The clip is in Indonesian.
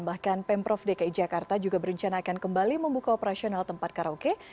bahkan pemprov dki jakarta juga berencana akan kembali membuka operasional tempat karaoke